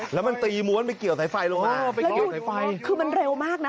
แล้วมันตีม้วนไปเกี่ยวสายไฟลงมาเออไปเกี่ยวสายไฟคือมันเร็วมากนะ